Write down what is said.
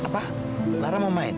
apa lara mau main